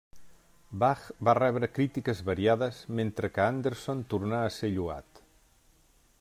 Bach va rebre crítiques variades, mentre que Anderson tornà a ser lloat.